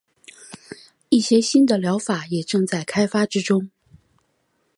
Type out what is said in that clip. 一些新的疗法也正在开发之中。